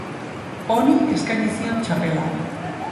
Honi eskaini zion txapela.